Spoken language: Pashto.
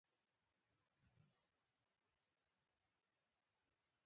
چنګلونه د افغانستان د شنو سیمو ښکلا ده.